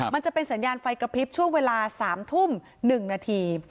มันจะเป็นสัญญาณไฟกระพริบช่วงเวลา๓ทุ่ม๑นาที